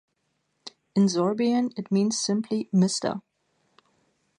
In Sorbian it means simply "Mister".